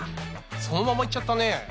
そのままいっちゃったね。